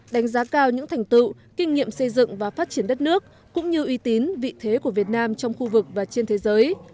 đánh giá cao những thành tựu kinh nghiệm xây dựng và phát triển đất nước cũng như uy tín vị thế của việt nam trong khu vực và trên thế giới